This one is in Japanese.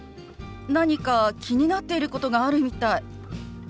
何か気になってることがあるみたい。